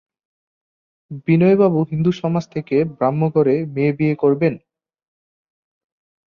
বিনয়বাবু হিন্দুসমাজে থেকে ব্রাহ্মঘরের মেয়ে বিয়ে করবেন?